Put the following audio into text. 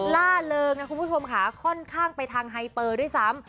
ล่าเริงนะคุณผู้ชมค่ะค่อนข้างไปทางไฮเปอร์ด้วยซ้ำ